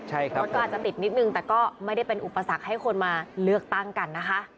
ใช่ครับรถก็อาจจะติดนิดนึงแต่ก็ไม่ได้เป็นอุปสรรคให้คนมาเลือกตั้งกันนะคะ